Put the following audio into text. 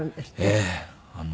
ええ。